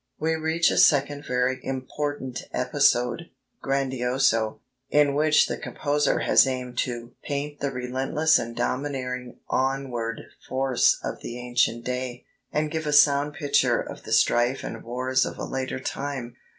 "We reach a second very important episode, grandioso, in which the composer has aimed to 'paint the relentless and domineering onward force of the ancient day, and give a sound picture of the strife and wars of a later time.'